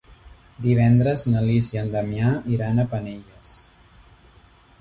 Divendres na Lis i en Damià iran a Penelles.